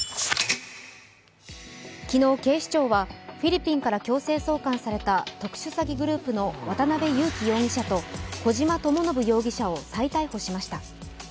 昨日、警視庁はフィリピンから強制送還された特殊詐欺グループの渡辺優樹容疑者と小島智信容疑者を再逮捕しました。